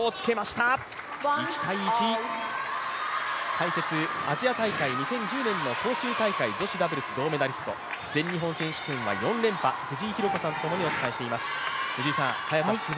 解説、アジア大会２０１０年の広州大会銀メダリスト、全日本選手権は４連覇、藤井寛子さんとともにお伝えしています。